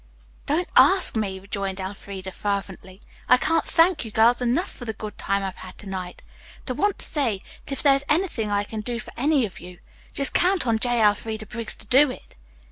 "Don't ask me," rejoined Elfreda fervently. "I can't thank you girls enough for the good time I've had to night. But I want to say that if there is anything I can do for any of you, just count on J. Elfreda Briggs to do it."